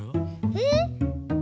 えっ？